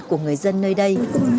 của người dân nơi đây